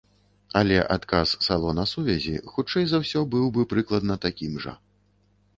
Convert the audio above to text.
Але адказ салона сувязі, хутчэй за ўсё, быў бы прыкладна такім жа.